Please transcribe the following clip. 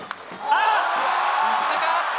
あっ！